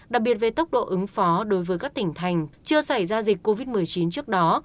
đặc biệt về tốc độ ứng phó đối với các tỉnh thành chưa xảy ra dịch covid một mươi chín trước đó